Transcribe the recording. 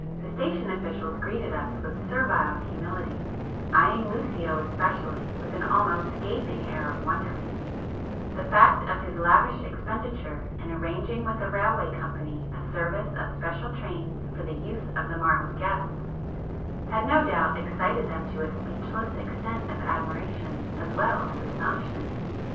The station officials greeted us with servile humility, eyeing Lucio especially with an almost gaping air of wonderment; the fact of his lavish expenditure in arranging with the railway company a service of special trains for the use of the morrow's guests, had no doubt excited them to a speechless extent of admiration as well as astonishment.